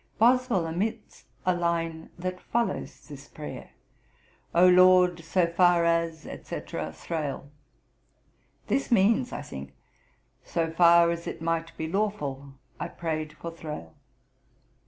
Boswell omits a line that follows this prayer: 'O Lord, so far as, &c., Thrale.' This means, I think, 'so far as it might be lawful, I prayed for Thrale.'